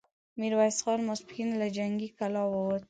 ميرويس خان ماسپښين له جنګي کلا ووت،